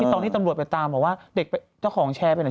ตอนที่ตำรวจไปตามบอกว่าเด็กเจ้าของแชร์ไปไหน